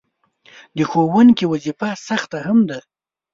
د ښوونکي وظیفه سخته هم ده.